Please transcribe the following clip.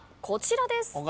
こちらです。